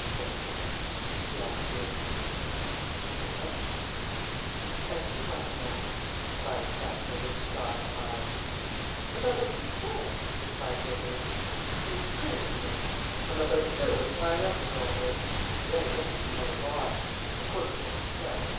"Well?" he asked lamely. "Well?" "As to what, now?" inquired Chatfield with a sly smile. "About what you said," replied Vickers. "Miss Greyle, you know. I'm about thoroughly tied up with all this. You evidently know a lot. Of course you won't tell!